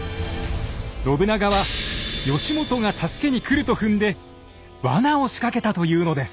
信長は義元が助けに来ると踏んでワナを仕掛けたというのです。